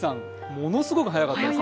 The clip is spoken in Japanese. ものすごく早かった。